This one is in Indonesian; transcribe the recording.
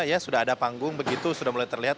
ya sudah ada panggung begitu sudah mulai terlihat